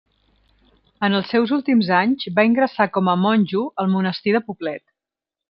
En els seus últims anys, va ingressar com a monjo al Monestir de Poblet.